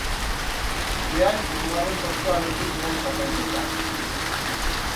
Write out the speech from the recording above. Iaz hirugarren postua lortu zuen txapelketan.